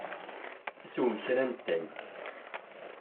Swem kra n ttay.